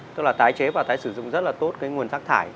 tức là tái chế và tái sử dụng rất là tốt cái nguồn rác thải